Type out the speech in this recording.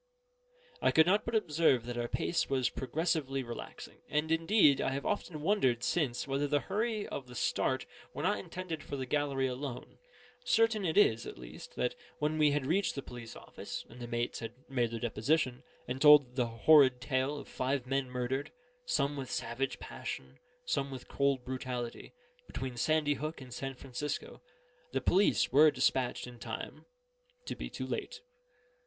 I could not but observe that our pace was progressively relaxing; and indeed I have often wondered since whether the hurry of the start were not intended for the gallery alone. Certain it is at least, that when we had reached the police office, and the mates had made their deposition, and told their horrid tale of five men murdered, some with savage passion, some with cold brutality, between Sandy Hook and San Francisco, the police were despatched in time to be too late.